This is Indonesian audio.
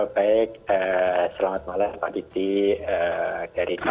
baik selamat malam pak didi